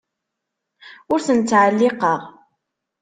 Ur ten-ttɛelliqeɣ.